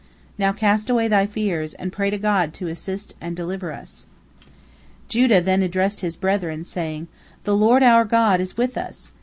Now cast away thy fears, and pray to God to assist us and deliver us." Judah then addressed his brethren, saying: "The Lord our God is with us!